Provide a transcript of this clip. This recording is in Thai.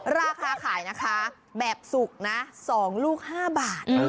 ราคาขายนะคะแบบสุกนะ๒ลูก๕บาท